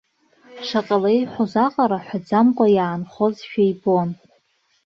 Шаҟа леиҳәоз аҟара ҳәаӡамкәа иаанхозшәа ибон.